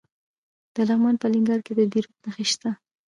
د لغمان په الینګار کې د بیروج نښې شته.